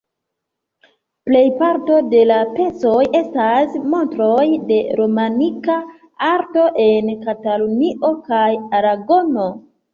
Plej parto de la pecoj estas montroj de romanika arto en Katalunio kaj Aragono.